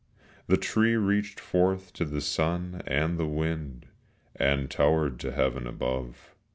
The tree reached forth to the sun and the wind And towered to heaven above.